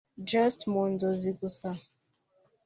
just mu nzozi gusa